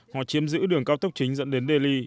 họ chiếm giữ đường cao tốc chính dẫn đến delhi